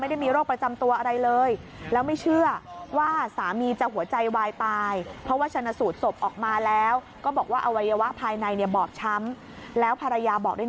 ไม่ได้มีโรคประจำตัวอะไรเลย